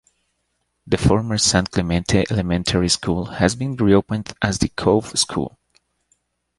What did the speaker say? The former San Clemente Elementary School has been reopened as The Cove School.